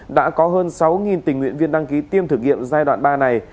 đã có hơn sáu tình nguyện viên đăng ký tiêm thử nghiệm giai đoạn ba này